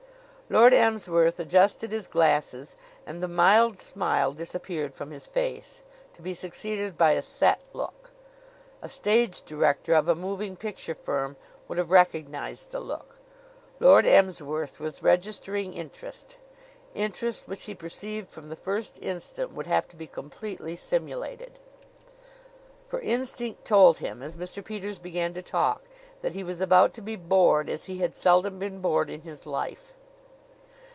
Lord Emsworth adjusted his glasses, and the mild smile disappeared from his face, to be succeeded by a set look. A stage director of a moving picture firm would have recognized the look. Lord Emsworth was registering interest interest which he perceived from the first instant would have to be completely simulated; for instinct told him, as Mr. Peters began to talk, that he was about to be bored as he had seldom been bored in his life.